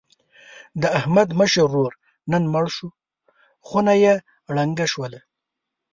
د احمد مشر ورور نن مړ شو. خونه یې ړنګه شوله.